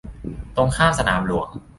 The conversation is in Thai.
ตรงข้ามสนามหลวง